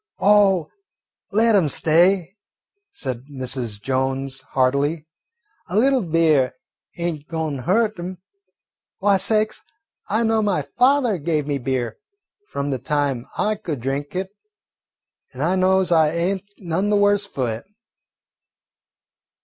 "Oh, let 'em stay," said Mrs. Jones heartily; "a little beer ain't goin' to hurt 'em. Why, sakes, I know my father gave me beer from the time I could drink it, and I knows I ain't none the worse fu' it."